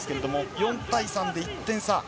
４対３、１点差。